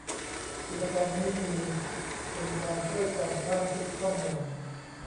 กิจกรรมนี้มีเป็นการช่วยกันสร้างชุดข้อมูล